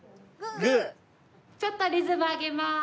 ちょっとリズム上げます。